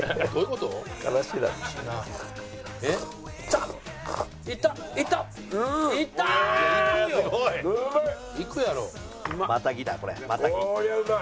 こりゃうまい！